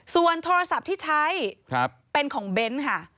ส่วนโทรศัพท์ที่ใช้เป็นของเบนท์ค่ะ